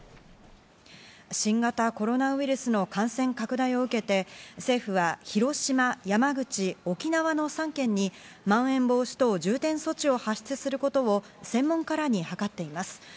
新型コロナウイルスの感染拡大を受けて政府は広島・山口・沖縄の３県にまん延防止等重点措置を発出することを専門家らに諮っています。